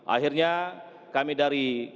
akhirnya kami dari